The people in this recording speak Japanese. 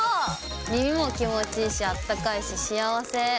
耳も気持ちいいし、あったかいし、幸せ。